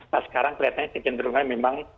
nah sekarang kelihatannya cikin berumah memang